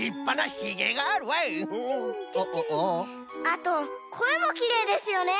あとこえもきれいですよね。